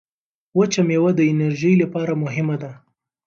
وچه مېوه د انرژۍ لپاره مهمه ده.